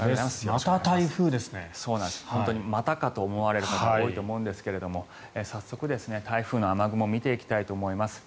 またかと思われる方が多いと思うんですが早速、台風の雨雲を見ていきたいと思います。